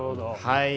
はい。